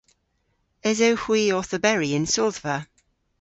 Esewgh hwi owth oberi y'n sodhva?